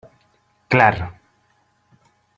Clar.